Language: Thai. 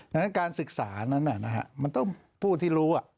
ดังนั้นการศึกษานั้นมันต้องผู้ที่รู้